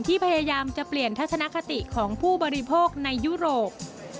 ที่พยายามจะเปลี่ยนทัศนคติของผู้บริโภคในยุโรป